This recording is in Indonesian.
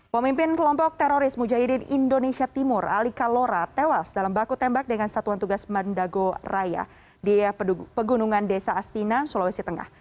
pemimpin kelompok teroris mujahidin indonesia timur ali kalora tewas dalam baku tembak dengan satuan tugas mandago raya di pegunungan desa astina sulawesi tengah